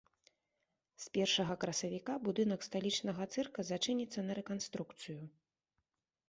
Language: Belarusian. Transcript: З першага красавіка будынак сталічнага цырка зачыніцца на рэканструкцыю.